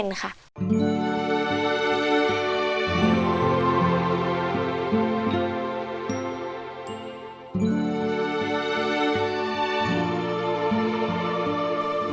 ขอบคุณมากครับ